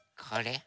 これ？